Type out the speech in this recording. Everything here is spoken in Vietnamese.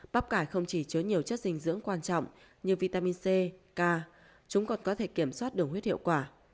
bắp cải không chỉ chứa nhiều chất dinh dưỡng quan trọng như vitamin c ca chúng còn có thể kiểm soát đường huyết hiệu quả